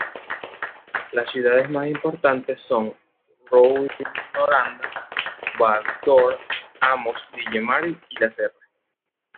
Las ciudades más importantes son Rouyn-Noranda, Val-d'Or, Amos, Ville-Marie y La Sarre.